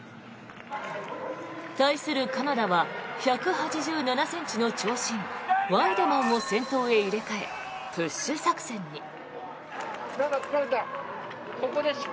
対するカナダは１８７ｃｍの長身ワイデマンを先頭に入れ替えプッシュ作戦に。